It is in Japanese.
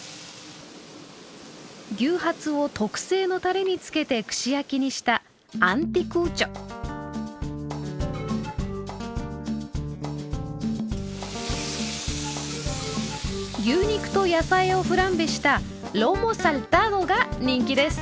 牛ハツを特製のたれにつけて串焼きにした牛肉と野菜をフランベしたロモ・サルタドが人気です。